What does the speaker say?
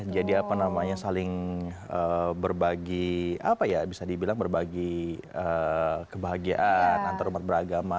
jadi apa namanya saling berbagi apa ya bisa dibilang berbagi kebahagiaan antar umat beragama